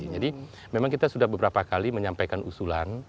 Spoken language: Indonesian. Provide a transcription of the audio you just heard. jadi memang kita sudah beberapa kali menyampaikan usulan